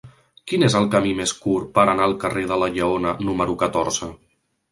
Quin és el camí més curt per anar al carrer de la Lleona número catorze?